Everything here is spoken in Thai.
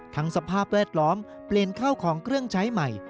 สภาพแวดล้อมเปลี่ยนเข้าของเครื่องใช้ใหม่